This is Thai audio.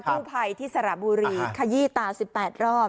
กู้ไพที่สระบุรีขยี้ตาสิบแปดรอบ